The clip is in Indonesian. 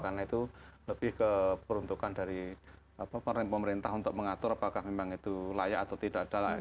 karena itu lebih ke peruntukan dari pemerintah untuk mengatur apakah memang itu layak atau tidak